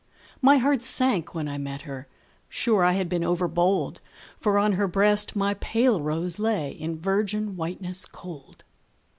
My heart sank when I met her: sure I had been overbold, For on her breast my pale rose lay In virgin whiteness cold.